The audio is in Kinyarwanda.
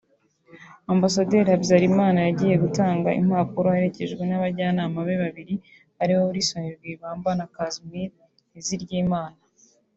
Ambasaderi Habyalimana yagiye gutanga impapuro aherekejwe n’abajyanama be babiri aribo Wilson Rwigamba na Casimir Nteziryimana